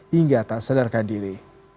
hingga tak sedarkan diri